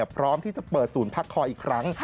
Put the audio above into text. พร้อมที่จะเปิดศูนย์พักคอยอีกครั้ง